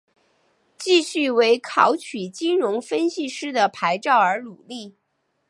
继续为考取金融分析师的牌照而努力。